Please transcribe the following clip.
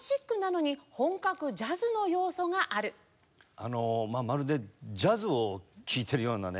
あのまるでジャズを聴いているようなね